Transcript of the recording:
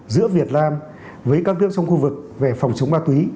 giữa việt nam với các nước trong khu vực về phòng chống ma túy